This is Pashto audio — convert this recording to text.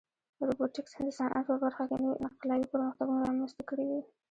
روبوټیکس د صنعت په برخه کې نوې انقلابي پرمختګونه رامنځته کړي دي.